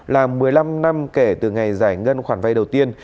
là một mươi năm năm kể từ ngày giải ngân khoản vay đầu tiên